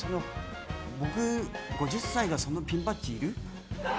僕、５０歳がそのピンバッジ、いる？